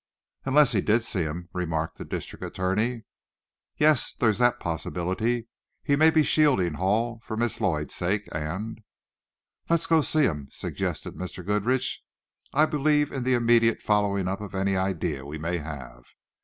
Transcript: "Unless he did see him," remarked the district attorney. "Yes; there's that possibility. He may be shielding Hall for Miss Lloyd's sake and " "Let's go to see him," suggested Mr. Goodrich. "I believe in the immediate following up of any idea we may have."